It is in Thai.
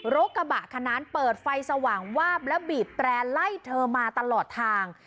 รถกระบะคันนั้นเปิดไฟสว่างวาบและบีบแตร่ไล่เธอมาตลอดทาง